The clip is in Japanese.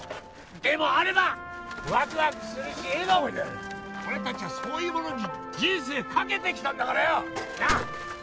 でもあればワクワクするし笑顔になる俺達はそういうものに人生かけてきたんだからよなあ！